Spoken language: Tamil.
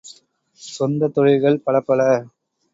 சொந்தத் தொழில்கள் பலப்பல!